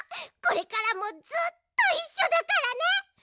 これからもずっといっしょだからね！